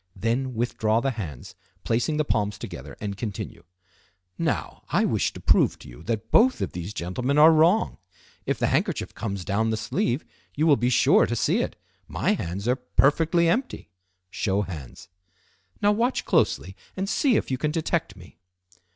Then withdraw the hands, placing the palms together, and continue: "Now, I wish to prove to you that both of these gentlemen are wrong. If the handkerchief comes down the sleeve, you will be sure to see it. My hands are perfectly empty" (show hands). "Now watch closely and see if you can detect me."